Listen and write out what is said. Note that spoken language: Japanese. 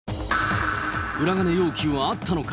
裏金要求はあったのか。